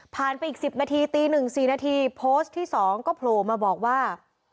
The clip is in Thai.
ผ่านไปอีกสิบนาทีตีหนึ่งสี่นาทีโพสต์ที่สองก็โพลมาบอกว่า